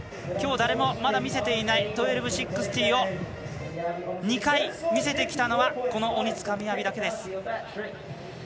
今日誰もまだ見せていない１２６０を２回、見せてきたのはこの鬼塚雅だけです。